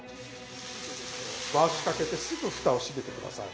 回しかけてすぐふたを閉めて下さい。